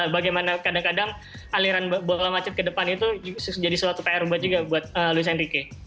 bagaimana kadang kadang aliran bola macet ke depan itu jadi suatu pr buat juga buat louis andrique